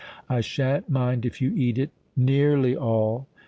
I sha'n't mind if you eat it—nearly all."